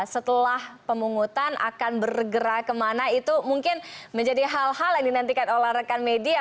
setelah pemungutan akan bergerak kemana itu mungkin menjadi hal hal yang dinantikan oleh rekan media